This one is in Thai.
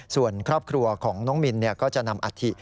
ส่วนครอบครัวของน้องมินก็จะนำอัฐิ